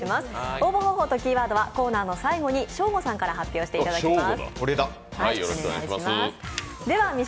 応募方法とキーワードはコーナーの最後にショーゴさんから発表していただきます。